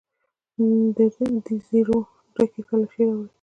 دزیرو ډکي پلوشې راوړي